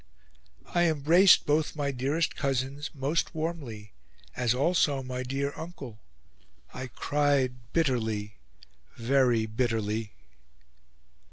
I embraced both my dearest cousins most warmly, as also my dear Uncle. I cried bitterly, very bitterly."